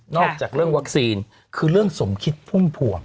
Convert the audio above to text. อกจากเรื่องวัคซีนคือเรื่องสมคิดพุ่มพวง